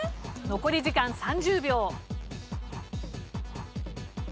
残り時間３０秒。